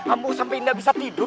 ambuh sampe indah bisa tidur